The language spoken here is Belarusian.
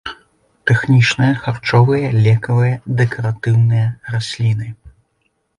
Тэхнічныя, харчовыя, лекавыя, дэкаратыўныя расліны.